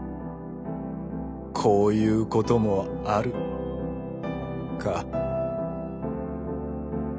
こういうこともあるか。